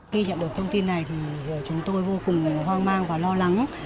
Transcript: khi nhận được thông tin này thì chúng tôi vô cùng hoang mang và lo lắng